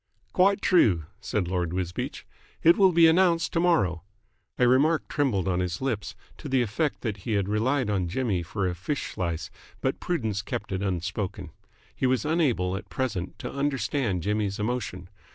"Quite true," said Lord Wisbeach. "It will be announced to morrow." A remark trembled on his lips, to the effect that he relied on Jimmy for a fish slice, but prudence kept it unspoken. He was unable at present to understand Jimmy's emotion.